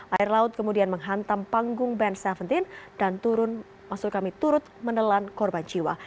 air laut kemudian menghantam panggung band tujuh belas dan turun maksud kami turut menelan korban jiwa